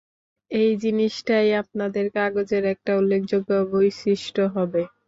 এই জিনিষটাই আপনাদের কাগজের একটা উল্লেখযোগ্য বৈশিষ্ট্য হবে।